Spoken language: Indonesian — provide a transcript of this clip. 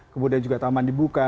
kemudian juga taman dibuka